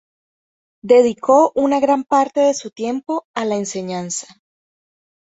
Dedicó una gran parte de su tiempo a la enseñanza.